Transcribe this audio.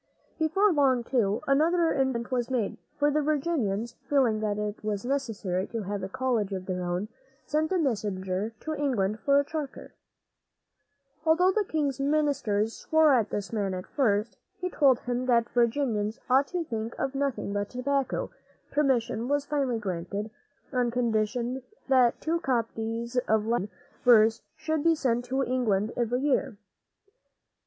Before long, too, another improvement was made; for the Virginians, feeling that it was necessary to have a college of their own, sent a messenger to England for a charter. Although the king's ministers swore at this man at first, and told him that Virginians ought to think of nothing but tobacco, permission was finally granted, on condition that two copies of Latin verse should be sent to England every year.